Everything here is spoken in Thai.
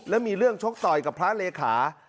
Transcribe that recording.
แล้วมีเรื่องชกต่อยกับพระเลขา